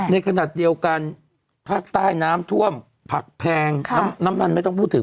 ในขณะเดียวกันภาคใต้น้ำท่วมผักแพงน้ำมันไม่ต้องพูดถึง